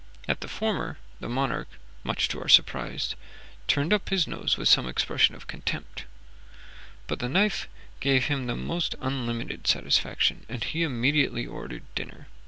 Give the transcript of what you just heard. At the former the monarch, much to our surprise, turned up his nose with some expression of contempt, but the knife gave him the most unlimited satisfaction, and he immediately ordered dinner.